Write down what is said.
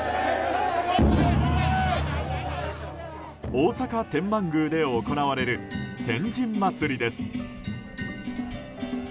大阪天満宮で行われる天神祭です。